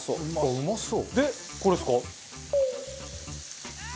うまそう！